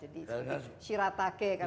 jadi shiratake kan tadi